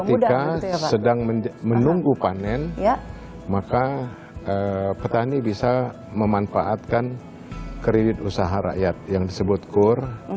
ketika sedang menunggu panen maka petani bisa memanfaatkan kredit usaha rakyat yang disebut kur